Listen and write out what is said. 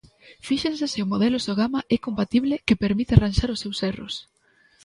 ¡Fíxense se o modelo Sogama é compatible que permite arranxar os seus erros!